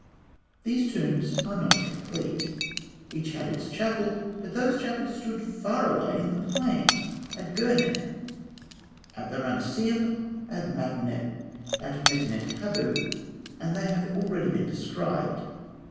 These tombs are not complete. Each had its chapel; but those chapels stood far away in the plain, at Gûrneh, at the Ramesseum, at Medinet Habû; and they have already been described.